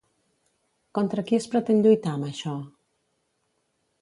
Contra qui es pretén lluitar amb això?